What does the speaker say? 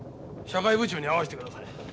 社会部長に会わせてください。